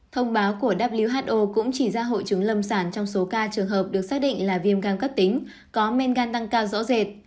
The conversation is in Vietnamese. thông báo của who cũng chỉ ra hội chứng lâm sản trong số ca trường hợp được xác định là viêm gan cấp tính có men gan tăng cao rõ rệt